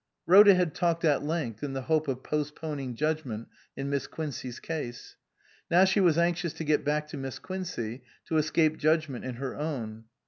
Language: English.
Rhoda had talked at length in the hope of postponing judgment in Miss Quincey 's case ; now she was anxious to get back to Miss Quin cey, to escape judgment in her own.